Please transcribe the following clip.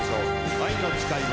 愛の誓いは。